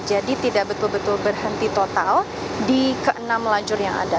jadi tidak betul betul berhenti total di keenam lanjur yang ada